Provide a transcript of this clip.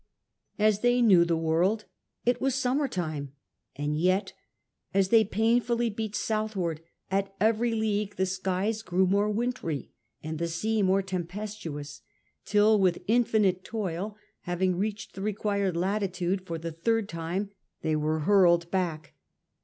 As they knew the world, it was summer time ; and yet, as they painfully beat southward, at every league the skies grew more wintry and the sea more tempestuous, till with*infinite toil having reached the required latitude, for the third time they were hurled back.